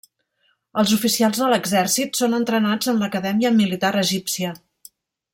Els oficials de l'exèrcit són entrenats en l'Acadèmia Militar Egípcia.